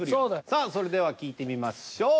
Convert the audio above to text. さあそれでは聞いてみましょう。